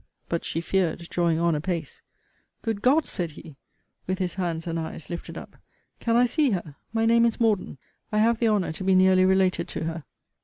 but, she feared, drawing on apace. Good God! said he, with his hands and eyes lifted up, can I see her? My name is Morden. I have the honour to be nearly related to her.